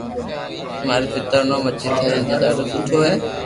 ماري پيتا رو نوم اجيت ھي جي ڌاڌو سٺو ھي